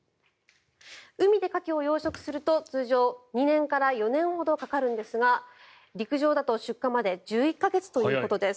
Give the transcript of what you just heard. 海でカキを養殖すると通常２年から４年ほどかかるんですが陸上だと出荷まで１１か月ということです。